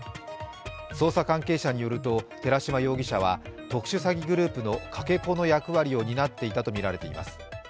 捜査関係者によると、寺島容疑者は特殊詐欺グループのかけ子の役割を担っていたとみられています。